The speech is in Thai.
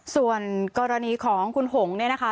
ส่วนกรณีของคุณหงเนี่ยนะคะ